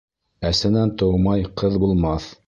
Әсәнән тыумай ҡыҙ булмаҫ.